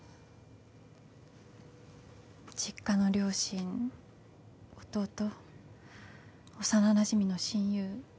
実家の両親弟幼なじみの親友